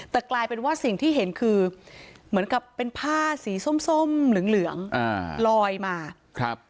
แต่กลายเป็นว่าสิ่งที่เห็นคือเหมือนกับเป็นผ้าสีส้มเหลืองลอยมา